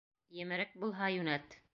Емерек булһа, йүнәт.